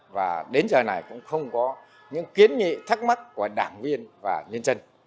và đến giờ này cũng không có những kiến nghị thắc mắc của đảng viên và nhân dân